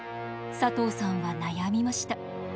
佐藤さんは悩みました。